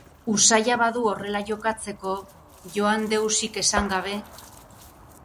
Usaia badu horrela jokatzeko, joan deusik esan gabe?